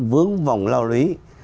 vướng vòng lao lý